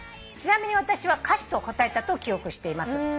「ちなみに私は歌手と答えたと記憶しています」